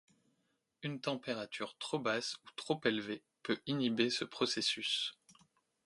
Une température trop basse ou trop élevée peut inhiber ce processus.